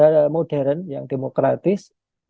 kalau kita meniat membangun negara modern yang demokratik